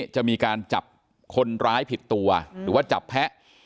จะมีการจับคนร้ายผิดตัวหรือว่าจับแพะ